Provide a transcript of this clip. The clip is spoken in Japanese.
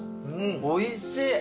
おいしい。